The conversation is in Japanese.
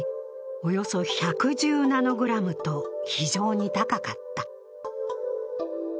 およそ１１０ナノグラムと非常に高かった。